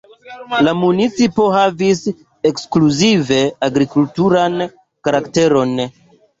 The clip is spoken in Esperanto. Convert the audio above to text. La municipo havis ekskluzive agrikulturan karakteron.